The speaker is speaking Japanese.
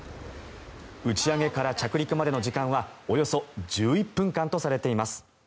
打ち上げから着陸までの時間はおよそ１１分間とされています。